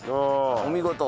お見事。